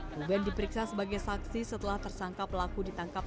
ruben diperiksa sebagai saksi setelah tersangka pelaku ditangkap